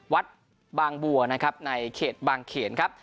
วัดบางบัวในเขตบางเขนครับ